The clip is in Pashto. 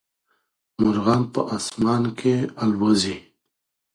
مرغان په اسمان کي البوځي.